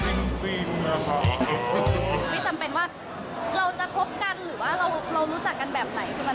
ไม่ใช่มันข้ามคำนั้นเลยครับ